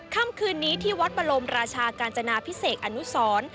ค่ำคืนนี้ที่วัดบรมราชากาญจนาพิเศษอนุสร